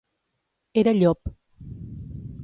Era llop.